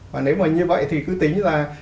và nếu như vậy thì cứ tính ra